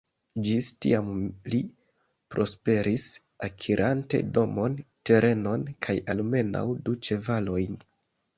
Ĝis tiam li prosperis, akirante domon, terenon kaj almenaŭ du ĉevalojn.